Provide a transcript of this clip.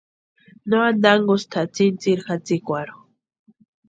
No ántankusti tʼatsïni tsiri jatsikwarhu.